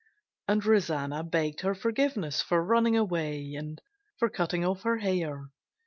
And Rosanna begged her forgiveness for running away, and for cutting off her hair.